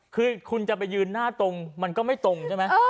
คือคุณจะไปยืนหน้าตรงมันก็ไม่ตรงใช่ไหม